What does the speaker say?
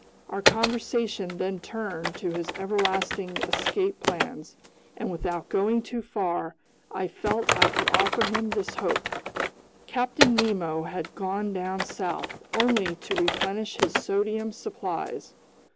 Our conversation then turned to his everlasting escape plans, and without going too far, I felt I could offer him this hope: Captain Nemo had gone down south only to replenish his sodium supplies.